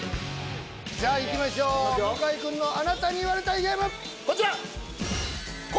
じゃあいきましょう向井君のあなたに言われたいゲームこちら昴